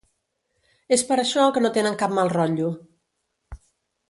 És per això que no tenen cap mal rotllo.